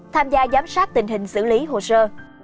tham gia giám sát tình hình xử lý hồ sơ